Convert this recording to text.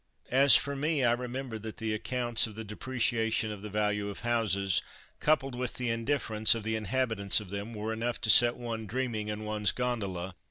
"As for me, I remember that the accounts of the depreciation of the value of houses, coupled with the indifference of the inhabitants of them, were enough to set one dreaming (in one's gondola!)